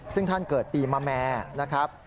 ซึ่งท่านเกิดปีมะแม่นะครับ